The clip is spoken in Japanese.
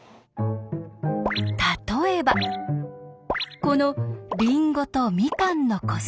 例えばこのりんごとみかんの個数。